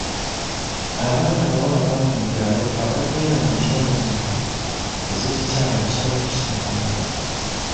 Abaana abawala bangi mu byalo abagenda mu nsonga zaabwe ez'ekikyala basalawo kusigala waka.